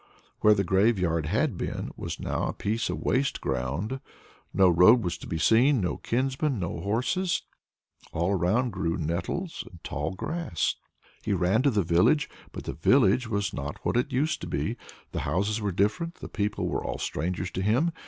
Where the graveyard had been, was now a piece of waste ground. No road was to be seen, no kinsmen, no horses. All around grew nettles and tall grass. He ran to the village but the village was not what it used to be. The houses were different; the people were all strangers to him.